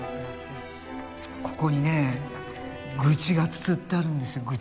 ここにね愚痴がつづってあるんですよ。